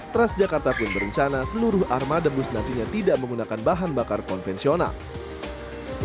transjakarta pun berencana seluruh armada bus nantinya tidak menggunakan bahan bakar konvensional